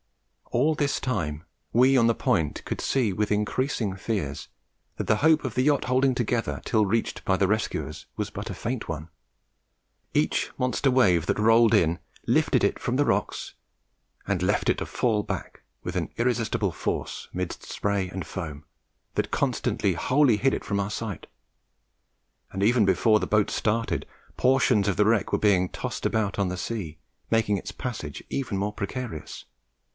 All this time, we on the Point could see, with increasing fears, that the hope of the yacht holding together till reached by the rescuers was but a faint one. Each monster wave that rolled in lifted it from the rocks and left it to fall back with an irresistible force midst spray and foam, that constantly wholly hid it from our sight; and even before the boat started, portions of the wreck were being tossed about on the sea, making its passage even more precarious.